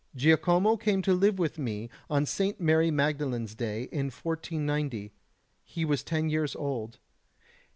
Giacomo came to live with me on Saint Mary Magdalen's day in 1490; he was ten years old.